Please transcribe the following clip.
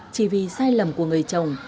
chỉ vì sai lầm của người chồng